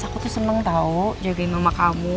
aku tuh seneng tau jagain mama kamu